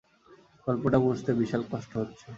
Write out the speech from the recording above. গল্পটা বুঝতে বিশাল কষ্ট হচ্ছে।